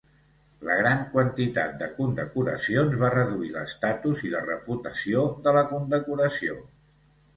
La gran quantitat de condecoracions va reduir l'estatus i la reputació de la condecoració.